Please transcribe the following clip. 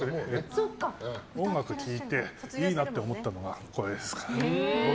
音楽を聴いていいなって思ったのがこれです。